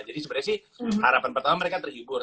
jadi sebenarnya sih harapan pertama mereka terhibur